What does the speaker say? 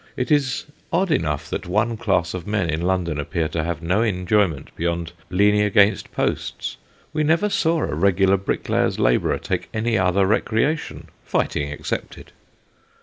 It is odd enough that one class of men in London appear to have no enjoyment beyond leaning against posts. We never saw a regular bricklayer's labourer take any other recreation, fighting ex cepted.